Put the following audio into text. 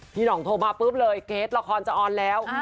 ห่องโทรมาปุ๊บเลยเกรทละครจะออนแล้ว